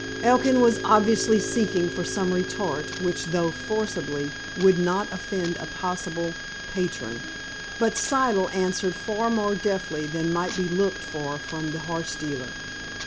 Elkin was obviously seeking for some retort which, though forcible, would not offend a possible patron. But Siddle answered far more deftly than might be looked for from the horse dealer.